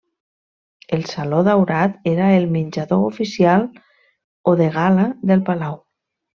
El saló daurat era el menjador oficial o de gala del palau.